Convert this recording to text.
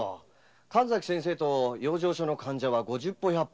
神崎先生と養生所の患者は五十歩百歩。